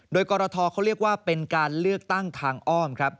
โดยกรทเขาเรียกว่าเป็นการเลือกตั้งทางอ้อมครับ